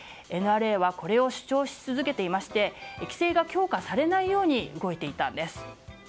ＮＲＡはこれを主張し続けていまして規制が強化されないように動いていたんです。